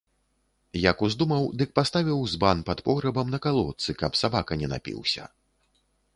Як уздумаў, дык паставіў збан пад пограбам на калодцы, каб сабака не напіўся.